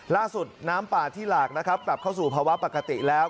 น้ำป่าที่หลากนะครับกลับเข้าสู่ภาวะปกติแล้ว